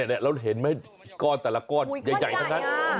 เนี่ยเราเห็นไหมก้อนใหญ่ทั้ง